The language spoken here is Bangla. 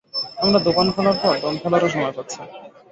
আমরা দোকান খোলার পর দম ফেলারও সময় পাচ্ছি না!